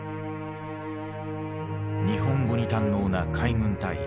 日本語に堪能な海軍大尉